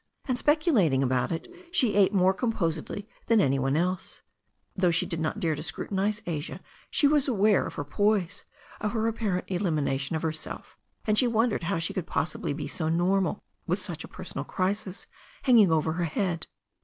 And speculating about it, she ate more composedly than any one else. Though she did not dare to scrutinize Asia, she was aware of her poise, of her apparent elimination of herself, and she wondered how she could possibly be so normal with such a personal crisis hanging over her head.